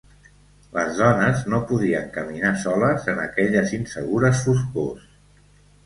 Les dones no podien caminar soles en aquelles insegures foscors.